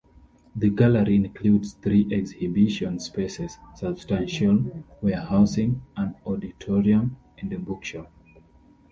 The gallery includes three exhibition spaces, substantial warehousing, an auditorium and a bookshop.